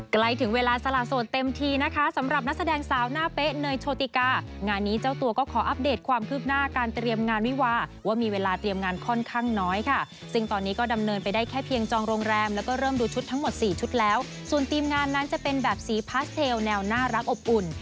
ใกล้ถึงเวลาสละโสดเต็มทีนะคะสำหรับนักแสดงสาวหน้าเป๊ะเนยโชติกางานนี้เจ้าตัวก็ขออัปเดตความคืบหน้าการเตรียมงานวิวาว่ามีเวลาเตรียมงานค่อนข้างน้อยค่ะซึ่งตอนนี้ก็ดำเนินไปได้แค่เพียงจองโรงแรมแล้วก็เริ่มดูชุดทั้งหมดสี่ชุดแล้วส่วนทีมงานนั้นจะเป็นแบบสีพาสเทลแนวน่ารักอบอุ่น